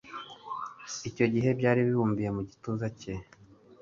icyo gihe byari bibumbiye mu gituza cye.